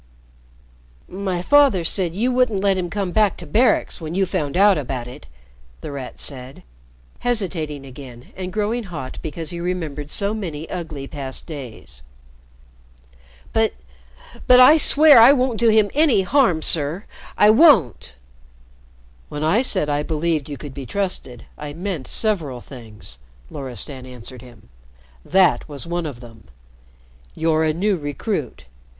"My father said you wouldn't let him come back to Barracks when you found out about it," The Rat said, hesitating again and growing hot because he remembered so many ugly past days. "But but I swear I won't do him any harm, sir. I won't!" "When I said I believed you could be trusted, I meant several things," Loristan answered him. "That was one of them. You're a new recruit.